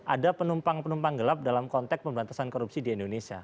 ada penumpang penumpang gelap dalam konteks pemberantasan korupsi di indonesia